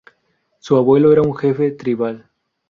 Su abuelo era un jefe tribal.